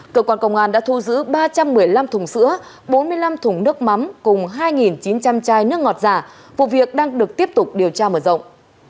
cơ quan công an đã thu giữ ba trăm một mươi năm thùng sữa bốn mươi năm thùng nước mắm cùng hai chín trăm linh chai nước ngọt giả vụ việc đang được tiếp tục điều tra mở rộng